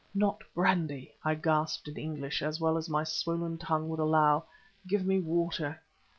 "Not brandy," I gasped in English as well as my swollen tongue would allow; "give me water."